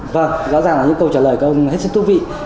vâng rõ ràng là những câu trả lời của ông rất thú vị